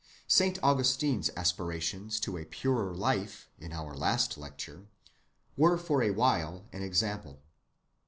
Saint Augustine's aspirations to a purer life, in our last lecture, were for a while an example.